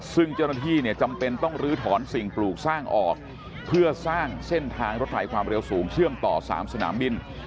ซึ่งเจ้าหน้าที่เนี่ยจำเป็นต้องลื้อถอนสิ่งปลูกสร้างออกเพื่อสร้างเส้นทางรถไฟความเร็วสูงเชื่อมต่อ๓สนามบิน